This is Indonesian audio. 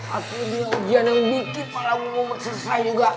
aku di ujian yang bikin malah ngumet selesai juga